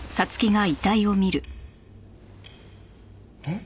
えっ？